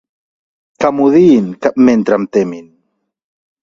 Que m'odiïn, mentre em temin.